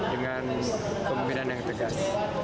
dengan kemampiran yang tegas